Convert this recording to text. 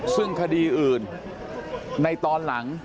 ซึ่งคดีอื่นในตอนหลัง